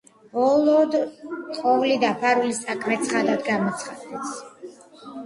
ბოლოდ ყოვლი დაფარული საქმე ცხადად გამოცხადდეს